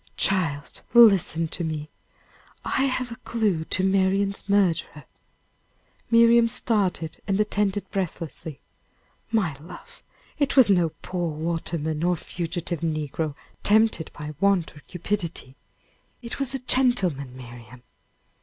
"Child, listen to me! I have a clue to Marian's murderer!" Miriam started, and attended breathlessly. "My love, it was no poor waterman or fugitive negro, tempted by want or cupidity. It was a gentleman, Miriam."